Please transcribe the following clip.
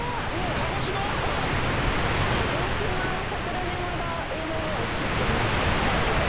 鹿児島の桜島が映像には映ってますけども。